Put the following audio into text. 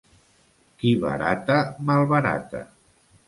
Qui barata, malbarata.